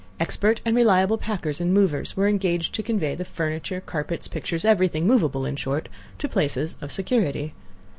Expert and reliable packers and movers were engaged to convey the furniture, carpets, pictures—everything movable, in short—to places of security.